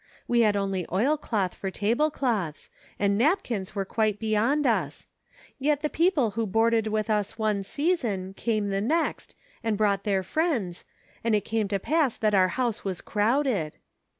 We had only oil cloth for table cloths, and napkins were quite beyond us ; yet the people who boarded with us one season came the next and brought their friends, and it came to pass that our house was crowded."